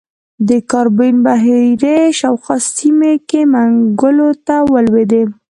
د کارابین بحیرې شاوخوا سیمې هم منګولو ته ولوېدې.